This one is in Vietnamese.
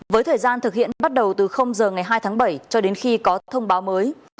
với thời gian thực hiện bắt đầu từ giờ ngày hai tháng bảy cho đến khi có thông báo mới